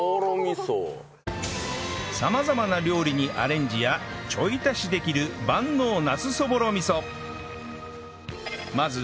様々な料理にアレンジやちょい足しできる万能なすそぼろ味噌